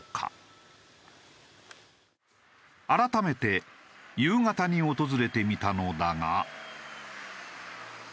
改めて夕方に訪れてみたのだが。